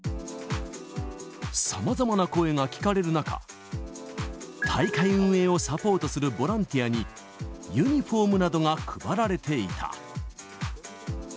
さまざまな声が聞かれる中、大会運営をサポートするボランティアに、ユニホームなどが配られていた。